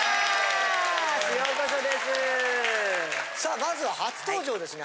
さあまずは初登場ですね